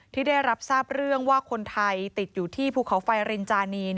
ที่ได้รับทราบเรื่องว่าคนไทยติดอยู่ที่ภูเขาไฟรินจานี